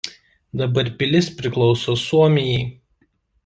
Dabar pilis priklauso Suomijai.